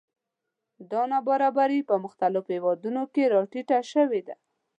دا نابرابري په پرمختللو هېوادونو کې راټیټه شوې ده